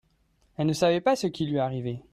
elle ne savait pas ce qui lui arrivait.